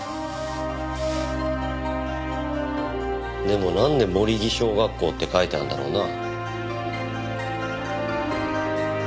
でもなんで「守木小学校」って書いてあるんだろうな。